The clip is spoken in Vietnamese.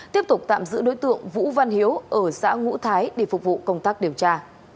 tiếp tục tạm giữ đối tượng vũ văn hiếu ở xã ngũ thái để phục vụ công tác điều tra